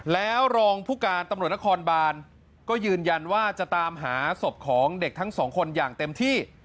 แล้วรองผู้การตำรวจนครบานก็ยืนยันว่าจะตามหาศพของเด็กทั้งสองคนอย่างเต็มที่